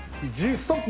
ストップ！